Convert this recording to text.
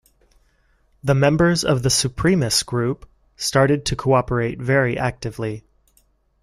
The members of the "Supremus" group started to cooperate very actively.